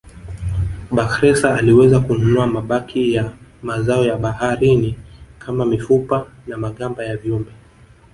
Bakhresa aliweza kununua mabaki ya mazao ya baharini kama mifupa na magamba ya viumbe